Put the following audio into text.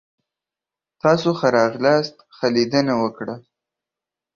تاسو ښه راغلاست. ښه لیدنه وکړه!